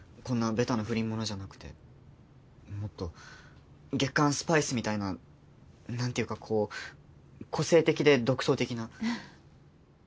こんなベタな不倫ものじゃなくてもっと『月刊スパイス』みたいななんていうかこう個性的で独創的な。